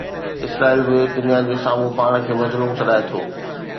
اسرائيل به دنيا جي سامهون پاڻ کي مظلوم سڏائي ٿو.